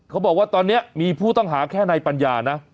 เขาบอกว่าตอนนี้มีผู้ต้องหาแค่นายปัญญานะ